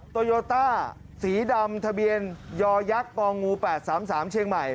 โตโยต้าสีดำทะเบียนยอยักษ์ปงู๘๓๓เชียงใหม่